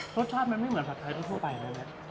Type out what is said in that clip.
รสชอบมันไม่เหมือนผัดใททุกไปเลยอ่ะ